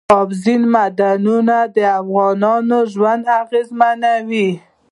اوبزین معدنونه د افغانانو ژوند اغېزمن کوي.